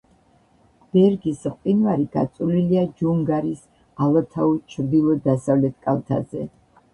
ბერგის მყინვარი გაწოლილია ჯუნგარის ალათაუს ჩრდილო-დასავლეთ კალთაზე.